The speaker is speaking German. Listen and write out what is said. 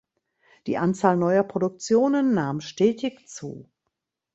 Die Anzahl neuer Produktionen nahm stetig zu.